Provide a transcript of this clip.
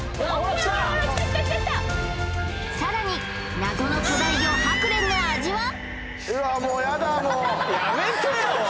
さらに謎の巨大魚ハクレンの味は？